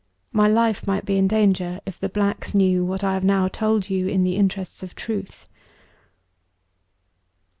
My life might be in danger if the blacks knew what I have now told you, in the interests of truth."